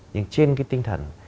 nhưng trên cái tinh thần